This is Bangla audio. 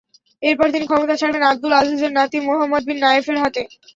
এরপর তিনি ক্ষমতা ছাড়বেন আবদুল আজিজের নাতি মোহাম্মদ বিন নায়েফের কাছে।